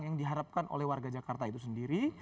yang diharapkan oleh warga jakarta itu sendiri